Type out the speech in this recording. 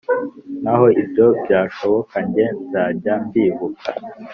Naho ibyo byashoboka njye nzajya mbibuka